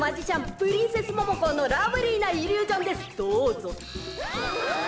プリンセスモモコーのラブリーなイリュージョンですどうぞ。